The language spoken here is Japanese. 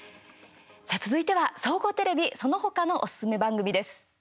さあ、続いては総合テレビその他のおすすめ番組です。